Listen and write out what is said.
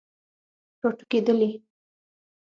راټوکیدلې